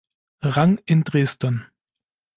Rang in Dresden.